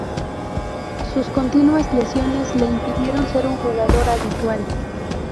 Sus continuas lesiones le impidieron ser un jugador habitual.